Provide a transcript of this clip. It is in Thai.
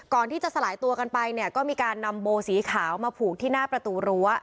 สลายตัวกันไปเนี่ยก็มีการนำโบสีขาวมาผูกที่หน้าประตูรั้ว